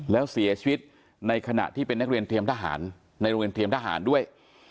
แล้วเสียชีวิตในขณะที่เป็นนักเรียนเตรียมทหารในโรงเรียนเตรียมทหารด้วย